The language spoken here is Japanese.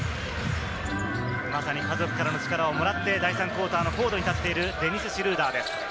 まさに家族からも力をもらって第３クオーターのコートに立っているシュルーダーです。